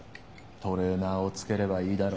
トレーナーをつければいいだろ。